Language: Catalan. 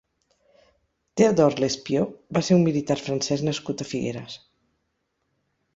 Théodore Lespieau va ser un militar francès nascut a Figueres.